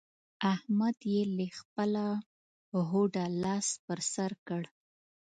احمد يې له خپله هوډه لاس پر سر کړ.